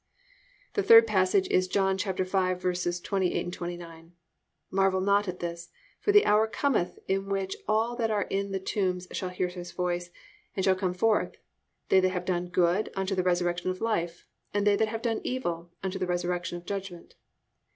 3. The third passage is John 5:28, 29: +"Marvel not at this: for the hour cometh, in which all that are in the tombs shall hear His voice, and shall come forth; they that have done good, unto the resurrection of life; and they that have done evil, unto the resurrection of judgment."